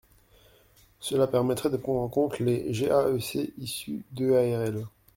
Cela permettrait de prendre en compte les GAEC issus d’EARL.